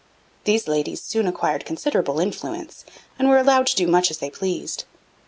These ladies soon acquired considerable influence and were allowed to do much as they pleased.